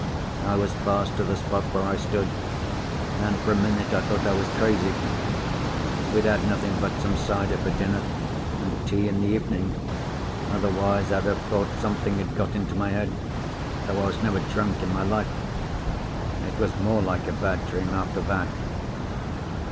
I was fast to the spot where I stood, and for a minute I thought I was crazy. We'd had nothing but some cider for dinner, and tea in the evening, otherwise I'd have thought something had got into my head, though I was never drunk in my life. It was more like a bad dream after that.